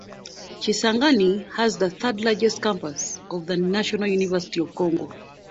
Kisangani has the third largest campus of the National University of Congo.